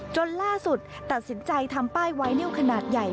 จนล่าสุดตัดสินใจทำป้ายไวนิวขนาดใหญ่